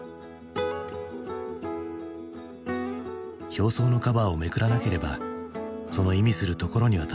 表層のカバーをめくらなければその意味するところにはたどりつけない。